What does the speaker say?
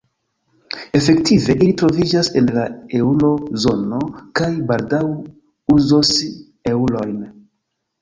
Efektive ili troviĝas en la eŭro-zono kaj baldaŭ uzos eŭrojn.